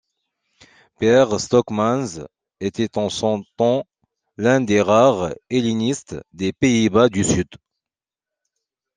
Pierre Stockmans était en son temps l'un des rares hellénistes des Pays-Bas du Sud.